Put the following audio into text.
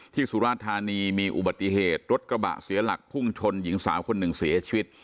สุราธานีมีอุบัติเหตุรถกระบะเสียหลักพุ่งชนหญิงสาวคนหนึ่งเสียชีวิต